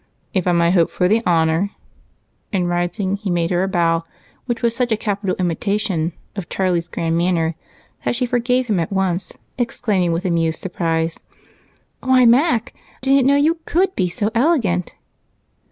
"If I may hope for the honor." And, rising, he made her a bow which was such a capital imitation of Charlie's grand manner that she forgave him at once, exclaiming with amused surprise: "Why, Mac! I didn't know you could be so elegant!"